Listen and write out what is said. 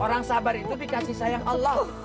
orang sabar itu dikasih sayang allah